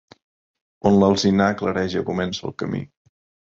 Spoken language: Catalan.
On l'alzinar clareja comença el camí.